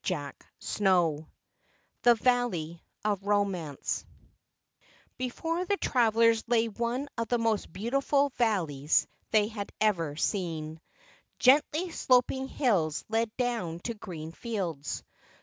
CHAPTER 9 The Valley of Romance Before the travelers lay one of the most beautiful valleys they had ever seen. Gently sloping hills led down to green fields.